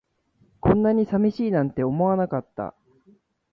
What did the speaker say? こんなに寂しいなんて思わなかった